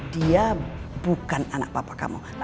dia bukan anak papa kamu